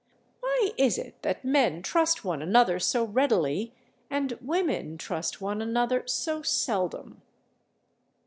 Why is it that men trust one another so readily, and women trust one another so seldom?